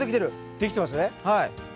できてますね。